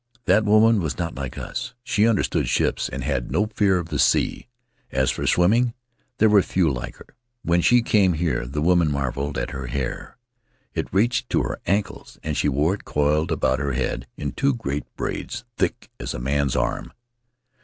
That woman was not like us; she understood ships and had no fear of the sea; as for swimming, there were few like her. When she came here the women marveled at her hair; it reached to her ankles, and she wore it coiled about her head in two great braids, thick as a man's arm.